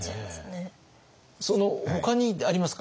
ほかにありますか？